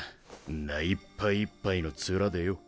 んないっぱいいっぱいの面でよ。